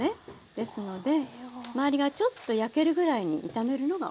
ですので周りがちょっと焼けるぐらいに炒めるのがおいしさのコツかな。